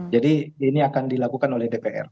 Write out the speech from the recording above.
jadi ini akan dilakukan oleh dpr